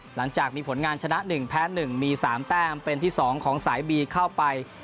หลังจากมีผลงานชนะ๑แพ้๑มี๓แต้มเป็นที่๒ของสายบีเข้าไป